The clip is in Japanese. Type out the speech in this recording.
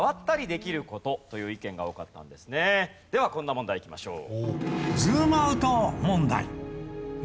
ではこんな問題いきましょう。